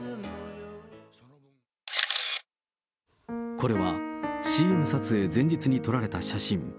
これは、ＣＭ撮影前日に撮られた写真。